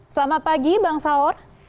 selamat pagi bang saur